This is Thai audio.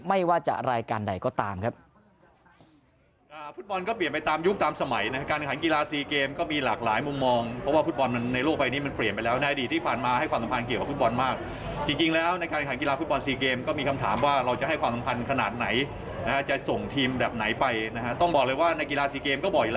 ไม่ว่าจะรายการใดก็ตามครับ